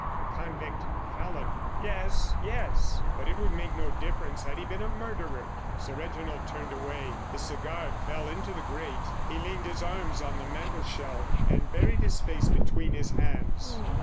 "A convict. A felon." "Yes, yes, but it would make no difference had he been a murderer." Sir Reginald turned away. His cigar fell into the grate, he leaned his arms on the mantelshelf and buried his face between his hands.